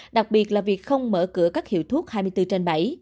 đặc biệt là việc không mở cửa các hiệu thuốc hai mươi bốn trên bảy